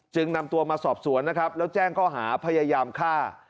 นำตัวมาสอบสวนนะครับแล้วแจ้งข้อหาพยายามฆ่า